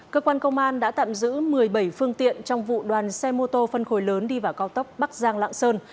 cơ quan công an đã tạm giữ một mươi bảy phương tiện trong vụ đoàn xe mô tô phân khối lớn đi vào cao tốc bắc giang lạng sơn